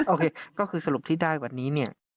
โอเคก็คือสรุปที่ได้วันนี้เนี่ย